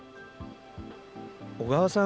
小川さん